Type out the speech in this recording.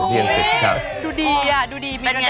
ดูดีอะดูดี